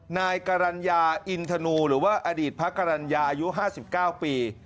นายกรรณญาอินทนูหรือว่าอดีตพระกรรณญาอายุ๕๙ปี